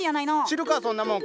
知るかそんなもん！